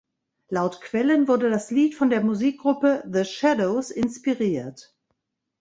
Laut Quellen wurde das Lied von der Musikgruppe The Shadows inspiriert.